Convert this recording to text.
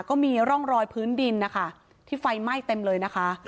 ก็มีร่องรอยพื้นดินนะคะที่ไฟไหม้เต็มเลยนะคะ